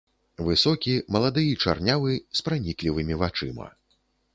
Высокі, малады і чарнявы, з праніклівымі вачыма.